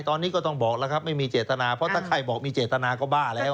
ตอนนี้ก็ต้องบอกแล้วครับไม่มีเจตนาเพราะถ้าใครบอกมีเจตนาก็บ้าแล้ว